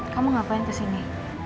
kamu ngapain kesini